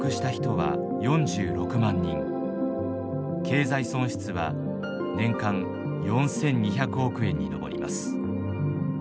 経済損失は年間４，２００億円に上ります。